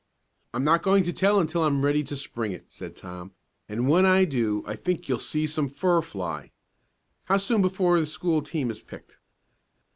"I'm not going to tell until I'm ready to spring it," said Tom, "and when I do I think you'll see some fur fly. How soon before the school team is picked?"